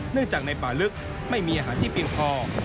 เนื่องจากในป่าลึกไม่มีอาหารที่เพียงพอ